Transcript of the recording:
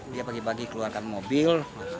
dia pagi pagi keluarkan mobil